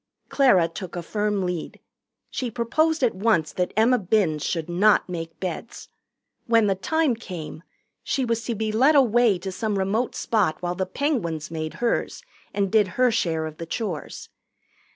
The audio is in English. Clara took a firm lead. She proposed at once that Emma Binns should not make beds. When the time came, she was to be led away to some remote spot while the Penguins made hers and did her share of the chores.